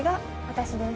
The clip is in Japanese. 私です。